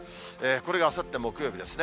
これがあさって木曜日ですね。